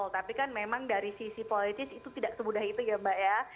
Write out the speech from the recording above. tapi kan memang dari sisi politis itu tidak semudah itu ya mbak ya